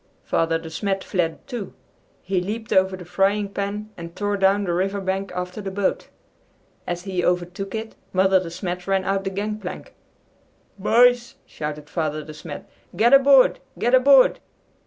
Father De Smet fled, too. He leaped over the frying pan and tore down the river bank after the boat. As he overtook it, Mother De Smet ran out the gang plank. "Boys!" shouted Father De Smet. "Get aboard! Get aboard!"